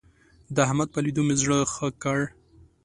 د احمد په ليدو مې زړه ښه کړ.